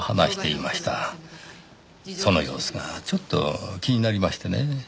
その様子がちょっと気になりましてねぇ。